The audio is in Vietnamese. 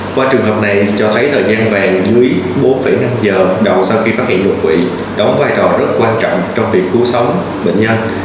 qua trường hợp này cho thấy thời gian vàng quý bốn năm giờ đầu sau khi phát hiện đột quỵ đóng vai trò rất quan trọng trong việc cứu sống bệnh nhân